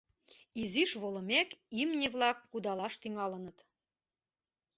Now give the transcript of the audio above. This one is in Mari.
Изиш волымек, имне-влак кудалаш тӱҥалыныт.